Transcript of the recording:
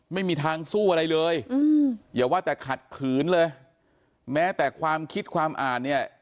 ไม่มีทางสู้อะไรเลยอย่าว่าแต่ขัดขืนเลยแม้แต่ความคิดความอ่านเนี่ย